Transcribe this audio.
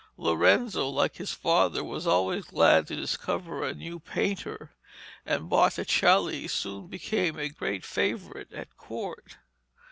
Lorenzo, like his father, was always glad to discover a new painter, and Botticelli soon became a great favourite at court.